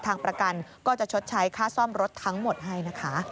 ทางประกันก็จะชดใช้ค่าซ่อมรถทั้งหมดให้นะคะ